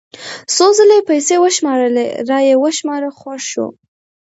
څو ځله یې پیسې وشمارلې را یې وشماره خوښ شو.